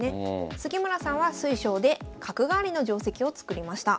杉村さんは水匠で角換わりの定跡を作りました。